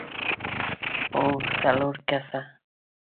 هو، څلور کسه!